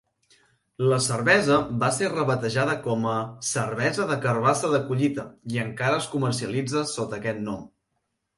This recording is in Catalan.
La cervesa va ser rebatejada com a "cervesa de carbassa de collita" i encara es comercialitza sota aquest nom.